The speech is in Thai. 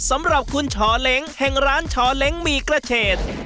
สำหรับคุณชอเล้งแห่งร้านชอเล้งหมี่กระเฉด